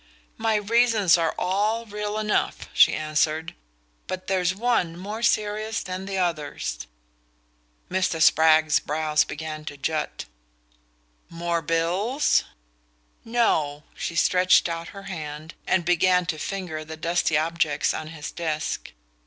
"My reasons are all real enough," she answered; "but there's one more serious than the others." Mr. Spragg's brows began to jut. "More bills?" "No." She stretched out her hand and began to finger the dusty objects on his desk.